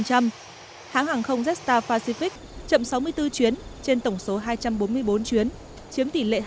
hãng hàng không jetstar pacific chậm sáu mươi bốn chuyến trên tổng số hai trăm bốn mươi bốn chuyến chiếm tỷ lệ hai mươi